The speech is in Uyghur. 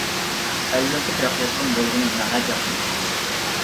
ئەلۋەتتە، تەرەققىياتنىڭ بولغىنى ناھايىتى ياخشى ئىش.